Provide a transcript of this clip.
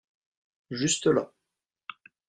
Juste là.